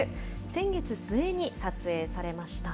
先月末に撮影されました。